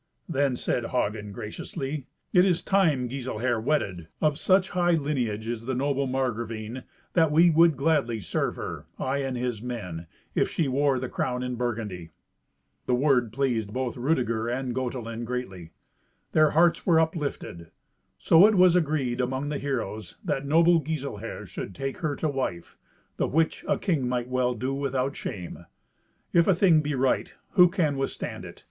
Then said Hagen graciously, "It is time Giselher wedded. Of such high lineage is the noble Margravine, that we would gladly serve her, I and his men, if she wore the crown in Burgundy." The word pleased both Rudeger and Gotelind greatly. Their hearts were uplifted. So it was agreed among the heroes that noble Giselher should take her to wife; the which a king might well do without shame. If a thing be right, who can withstand it?